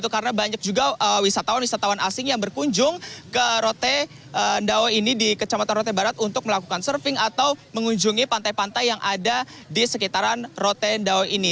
karena banyak juga wisatawan wisatawan asing yang berkunjung ke rote ndawo ini di kecamatan rote barat untuk melakukan surfing atau mengunjungi pantai pantai yang ada di sekitaran rote ndawo ini